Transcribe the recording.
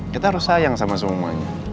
kita harus sayang sama semuanya